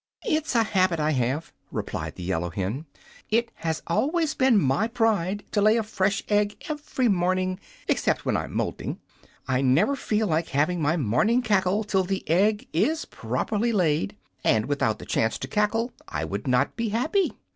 "It's a habit I have," replied the yellow hen. "It has always been my pride to lay a fresh egg every morning, except when I'm moulting. I never feel like having my morning cackle till the egg is properly laid, and without the chance to cackle I would not be happy."